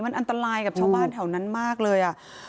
มันอันตรายกับชาวบ้านแถวนั้นมากเลยอ่ะ